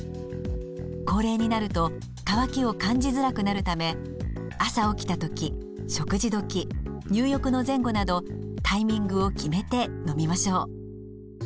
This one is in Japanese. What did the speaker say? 高齢になると渇きを感じづらくなるため朝起きた時食事時入浴の前後などタイミングを決めて飲みましょう。